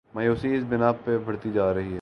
مایوسی اس بنا پہ بڑھتی جا رہی ہے۔